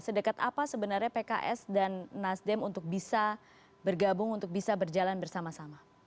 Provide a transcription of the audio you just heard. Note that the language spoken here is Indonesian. sedekat apa sebenarnya pks dan nasdem untuk bisa bergabung untuk bisa berjalan bersama sama